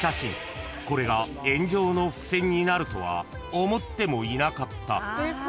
［これが炎上の伏線になるとは思ってもいなかった］